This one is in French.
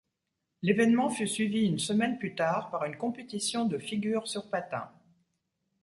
L'événement fut suivi une semaine plus tard par une compétition de figures sur patins.